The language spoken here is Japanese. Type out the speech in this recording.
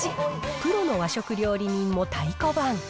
プロの和食料理人も太鼓判。